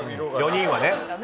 ４人はね。